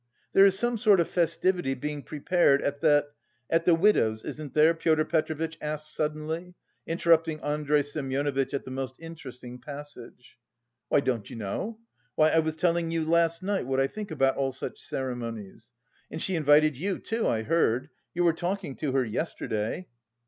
"There is some sort of festivity being prepared at that... at the widow's, isn't there?" Pyotr Petrovitch asked suddenly, interrupting Andrey Semyonovitch at the most interesting passage. "Why, don't you know? Why, I was telling you last night what I think about all such ceremonies. And she invited you too, I heard. You were talking to her yesterday..."